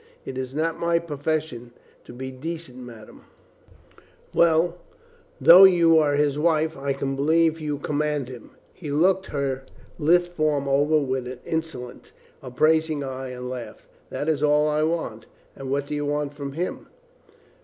"It is not my profession to be decent, madame. Well — though you are his wife, I can believe you command him" — he looked her lithe form over with an insolent, appraising eye, and laughed — "that is all I want." "And what do you want of him?"